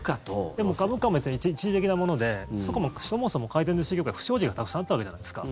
でも株価も別に一時的なものでそもそも回転寿司業界不祥事がたくさんあったわけじゃないですか。